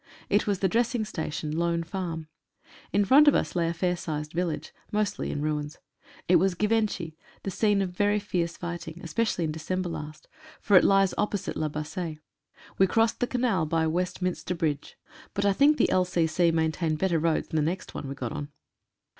It was the Dressing Station — Lone Farm. In front of us lay a fair sized village, mostly in ruins. It was Givenchy — the scene of very fierce fight ing, especially in December last, for it lies opposite La Bassee. We crossed the canal by "Westminster Bridge," 129 GERMAN TACTICS. but I think the L.C.C. maintain better roads than the next one we got on.